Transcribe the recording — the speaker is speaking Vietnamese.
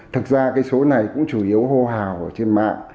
thực ra cái số này cũng chủ yếu hô hào ở trên mạng